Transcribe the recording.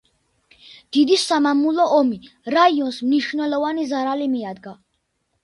დიდი სამამულო ომი რაიონს მნიშვნელოვანი ზარალი მიადგა.